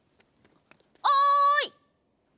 おい！